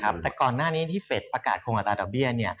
แต่ก่อนหน้านี้ที่เฟ็ดอากาศโครงการต่อดับเบี้ยเนี่ย